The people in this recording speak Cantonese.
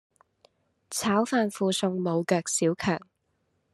炒飯附送無腳小强